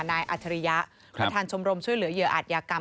อัจฉริยะประธานชมรมช่วยเหลือเหยื่ออาจยากรรม